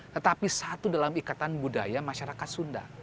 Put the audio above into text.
tetapi satu dalam ikatan budaya masyarakat sunda